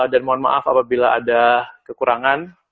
dan mohon maaf apabila ada kekurangan